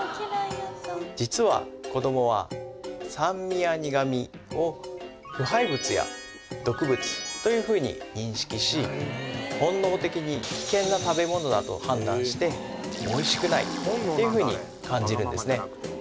実は子どもは酸味や苦味を腐敗物や毒物というふうに認識し本能的に危険な食べ物だと判断しておいしくないというふうに感じるんですね